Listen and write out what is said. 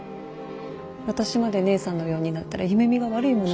私まで姉さんのようになったら夢見が悪いものね。